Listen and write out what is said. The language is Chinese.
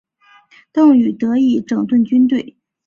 邓禹得以整顿军队。